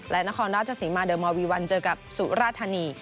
และนครราชสีมาเดอร์มอลวีวันเจอกับสุราธานี